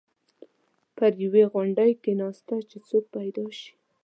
پر یوې غونډۍ کېناسته چې څوک پیدا شي.